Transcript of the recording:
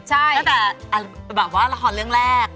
ตั้งแต่บอกว่าละครเรื่องแรก